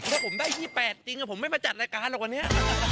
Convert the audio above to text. ถ้าผมได้๒๘จริงผมไม่มาจัดรายการหรอกวันนี้